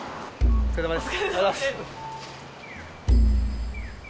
お疲れさまです